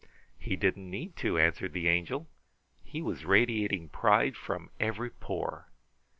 "He didn't need to," answered the Angel. "He was radiating pride from every pore.